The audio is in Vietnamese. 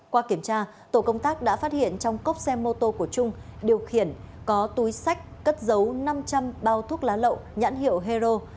qua kiểm tra tổ công tác đã phát hiện trong cốc xe mô tô của trung điều khiển có túi sách cất dấu năm trăm linh bao thuốc lá lậu nhãn hiệu hero